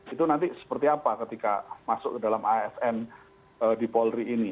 itu nanti seperti apa ketika masuk ke dalam asn di polri ini